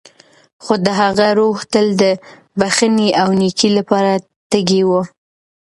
خو د هغه روح تل د بښنې او نېکۍ لپاره تږی و.